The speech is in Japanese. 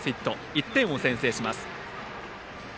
１点を先制します。